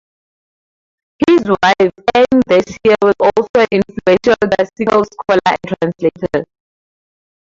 His wife, Anne Dacier, was also an influential classical scholar and translator.